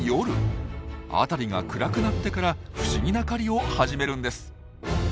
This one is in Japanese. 辺りが暗くなってから不思議な狩りを始めるんです。